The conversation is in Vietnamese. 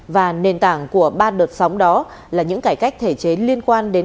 và nền tảng của ba đợt sóng đó là những cải cách thể chế liên quan đến